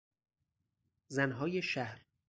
زنهای شهر